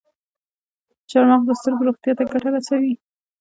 چارمغز د سترګو روغتیا ته ګټه رسوي.